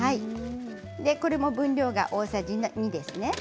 これも分量が大さじ２ですね。